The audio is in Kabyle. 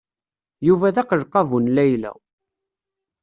Yuba d aqelqabu n Layla.